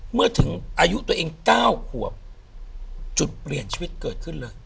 เมื่อถึงอายุตัวเอง๙ขวบจุดเปลี่ยนชีวิตเกิดขึ้นเลย